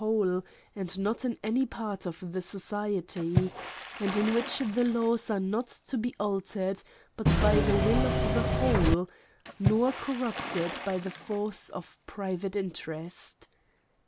53^ whole, and not in any part of the society ; and in which the laws are not to be altered but by the will of the whole, nor corrupted by the force of private interest.